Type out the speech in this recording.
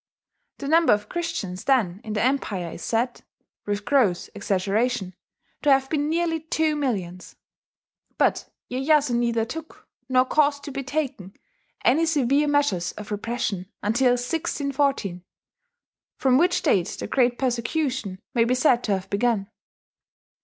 The number of Christians then in the empire is said, with gross exaggeration, to have been nearly two millions. But Iyeyasu neither took, nor caused to be taken, any severe measures of repression until 1614, from which date the great persecution may be said to have begun.